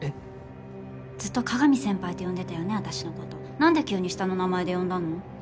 なんで急に下の名前で呼んだの？